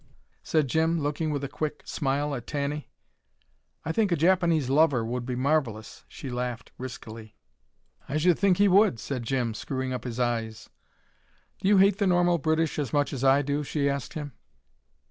said Jim, looking with a quick smile at Tanny. "I think a Japanese lover would be marvellous," she laughed riskily. "I s'd think he would," said Jim, screwing up his eyes. "Do you hate the normal British as much as I do?" she asked him.